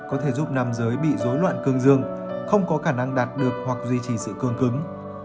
có thể giúp nam giới bị dối loạn cương dương không có khả năng đạt được hoặc duy trì sự cương cứng